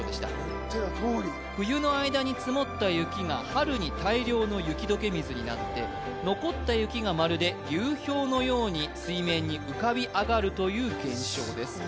言ってたとおり冬の間に積もった雪が春に大量の雪解け水になって残った雪がまるで流氷のように水面に浮かび上がるという現象です